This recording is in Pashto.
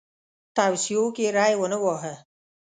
توصیو کې ری ونه واهه.